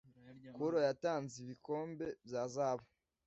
kuro yatanze ibikombe bya zahabu